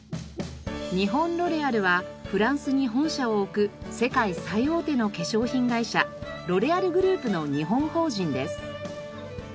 日本ロレアルはフランスに本社を置く世界最大手の化粧品会社ロレアルグループの日本法人です。